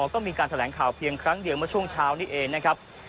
ก็มีการแถลงข่าวเพียงครั้งเดียวเมื่อช่วงเช้านี้เองนะครับ